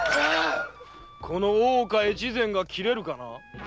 この大岡越前が斬れるかな。